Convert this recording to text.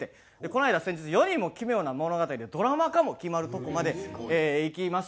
この間先日『世にも奇妙な物語』でドラマ化も決まるとこまでいきました。